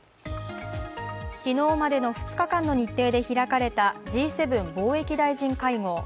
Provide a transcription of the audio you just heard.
昨日までの２日間の日程で開かれたＧ７貿易大臣会合。